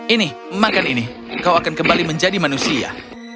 ini makan ini kau akan kembali menjadi manusia